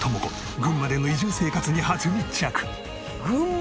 群馬での移住生活に初密着！